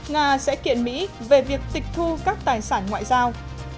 nga sẽ kiện mỹ về việc tịch thu các tài sản ngoại giao